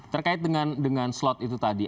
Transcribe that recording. terkait dengan slot itu tadi